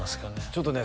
ちょっとね